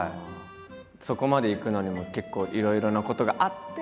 そこまでいくのにも結構いろいろなことがあって？